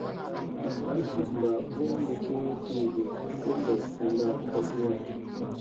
Nam hal pus mba u mbuzli fifi u ngol sunda kozina.